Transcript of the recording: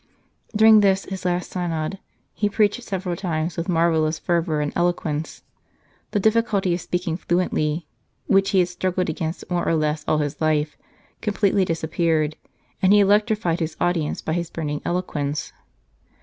During this his last synod he preached several times with marvellous fervour and eloquence. The difficulty of speaking fluently, which he had struggled against more or less all his life, com pletely disappeared, and he electrified his audience by his burning eloquence.